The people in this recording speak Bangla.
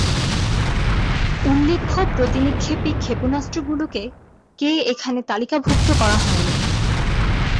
উল্লেখ্য প্রতিনিক্ষেপী-ক্ষেপণাস্ত্রগুলোকে কে এখানে তালিকাভুক্ত করা হয়নি।